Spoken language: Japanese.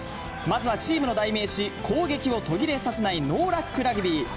まずはチームの代名詞、攻撃を途切れさせないノーラックラグビー。